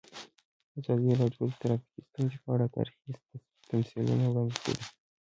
ازادي راډیو د ټرافیکي ستونزې په اړه تاریخي تمثیلونه وړاندې کړي.